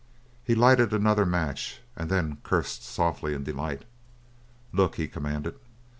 He lighted another match, and then cursed softly in delight. "Look!" he commanded.